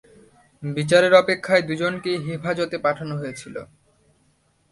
বিচারের অপেক্ষায় দুজনকেই হেফাজতে পাঠানো হয়েছিল।